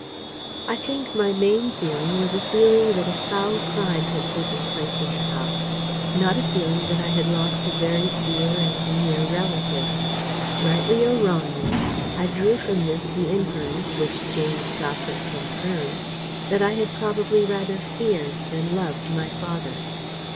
I think my main feeling was a feeling that a foul crime had taken place in the house, not a feeling that I had lost a very dear and near relative. Rightly or wrongly, I drew from this the inference, which Jane's gossip confirmed, that I had probably rather feared than loved my father.